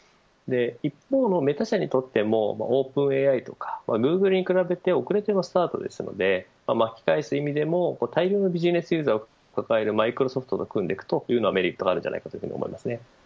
一方のメタ社にとってもオープンＡＩとかグーグルに比べて遅れてのスタートですので巻き返す意味でも大量のビジネスユーザーを抱えるマイクロソフトと組んでいくのはメリットがあると思います。